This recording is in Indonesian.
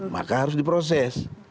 maka harus diproses